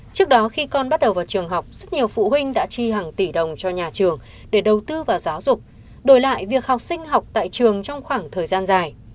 trước đó khi con bắt đầu vào trường học rất nhiều phụ huynh đã chi hàng tỷ đồng cho nhà trường để đầu tư vào giáo dục đổi lại việc học sinh học tại trường trong khoảng thời gian dài